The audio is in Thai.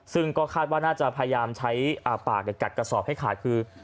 ซึ่งก็คาดว่าน่าจะพยายามใช้ปากกัดกระสอบให้ขาดคือ